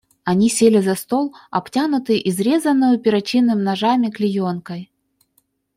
Они сели за стол, обтянутый изрезанною перочинными ножами клеенкой.